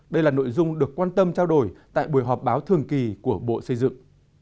đây là nội dung được quan tâm trao đổi tại buổi họp báo thường kỳ của bộ xây dựng